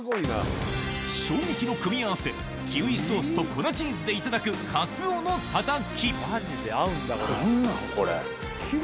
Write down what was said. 衝撃の組み合わせキウイソースと粉チーズでいただく何なんこれ。